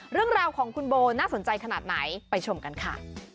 เรื่องราวของคุณโบน่าสนใจขนาดไหนไปชมกันค่ะ